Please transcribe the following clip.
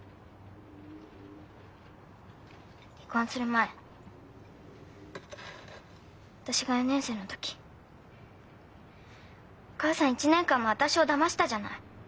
離婚する前私が４年生の時母さん１年間も私をだましたじゃない。